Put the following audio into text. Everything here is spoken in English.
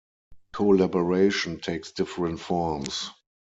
Collaboration takes different forms.